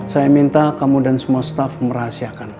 saya minta kamu dan semua staff merahasiakan